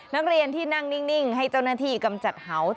นักเรียนที่นั่งนิ่งให้เจ้าหน้าที่กำจัดเหาส